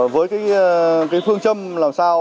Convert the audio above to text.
với phương châm làm sao